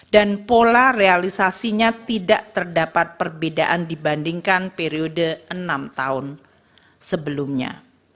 dan pola realisasinya tidak terdapat perbedaan dibandingkan periode enam tahun sebelumnya